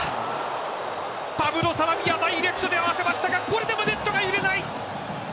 ダイレクトで合わせましたがこれでもネットが揺れない。